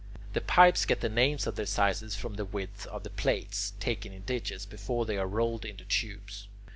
The pipes get the names of their sizes from the width of the plates, taken in digits, before they are rolled into tubes.